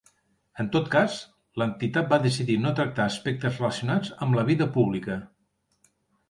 En tot cas, l'entitat va decidir no tractar aspectes relacionats amb la vida pública.